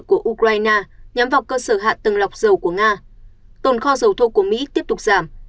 của ukraine nhắm vào cơ sở hạ tầng lọc dầu của nga tồn kho dầu thô của mỹ tiếp tục giảm